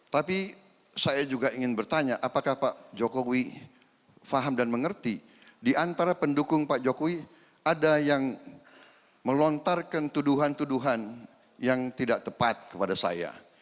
tapi saya juga ingin bertanya apakah pak jokowi faham dan mengerti diantara pendukung pak jokowi ada yang melontarkan tuduhan tuduhan yang tidak tepat kepada saya